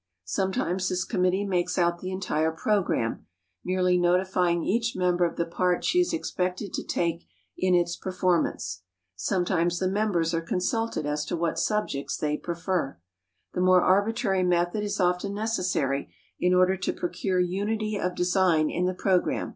Sometimes this committee makes out the entire program, merely notifying each member of the part she is expected to take in its performance. Sometimes the members are consulted as to what subjects they prefer. The more arbitrary method is often necessary in order to procure unity of design in the program.